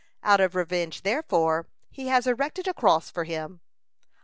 Out of revenge therefor, he has erected a cross for him."